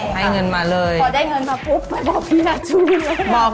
พอได้เงินมาปุ๊บเขาก็ต้องไปบอกพี่ละจูน